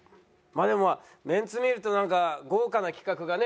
でもメンツ見るとなんか豪華な企画がね。